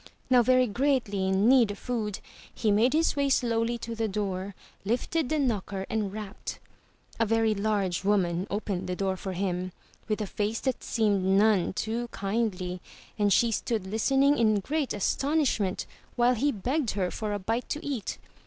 Now very greatly in need of food, he made his way slowly to the door, lifted the knocker and rapped. A very large woman opened the door for him, with a face that seemed none too kindly, and she stood listening in great astonishment while he begged her for a bite to eat.